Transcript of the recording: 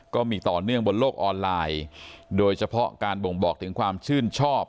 ก็มีต่อเนื่องบนโลกออนไลน์โดยเฉพาะการบ่งบอกถึงความชื่นชอบ